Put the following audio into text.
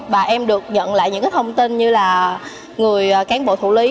và em được nhận lại những thông tin như là người cán bộ thủ lý